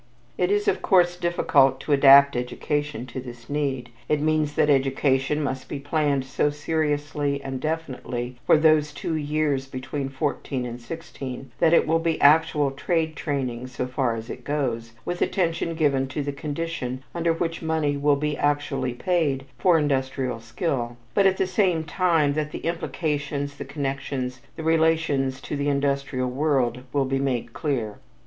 It is of course difficult to adapt education to this need; it means that education must be planned so seriously and definitely for those two years between fourteen and sixteen that it will be actual trade training so far as it goes, with attention given to the condition under which money will be actually paid for industrial skill; but at the same time, that the implications, the connections, the relations to the industrial world, will be made clear.